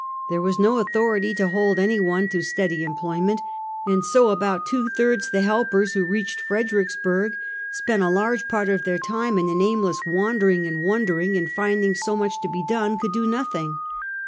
There was no authority to hold any one to steady employment; and so about two thirds the help ers who reached Fredericksburg, spent a large part of their time in an aimless wandering and wondering, and finding so much to be done, could do nothing.